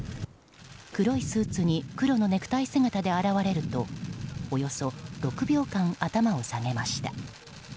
黒いスーツに黒のネクタイ姿で現れるとおよそ６秒間頭を下げました。